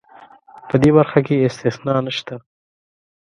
په دې برخه کې استثنا نشته.